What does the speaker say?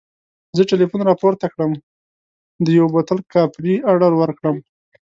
زه ټلیفون راپورته کړم د یوه بوتل کاپري اډر ورکړم.